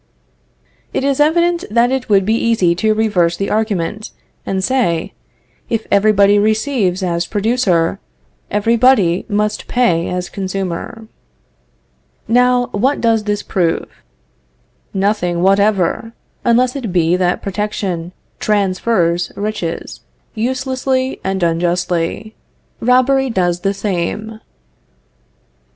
It is evident that it would be easy to reverse the argument and say: If every body receives as producer, every body must pay as consumer. Now, what does this prove? Nothing whatever, unless it be that protection transfers riches, uselessly and unjustly. Robbery does the same.